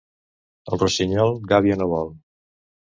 El rossinyol, gàbia no vol.